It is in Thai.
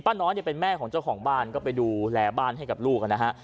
น้อยเนี่ยเป็นแม่ของเจ้าของบ้านก็ไปดูแลบ้านให้กับลูกนะฮะ